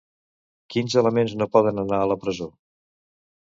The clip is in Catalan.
Quins elements no poden anar a la presó?